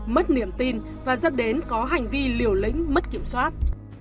mất niềm tin và dẫn đến có hành vi liều lĩnh mất kiểm soát